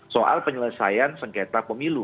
soal penyelesaian sengketa pemilu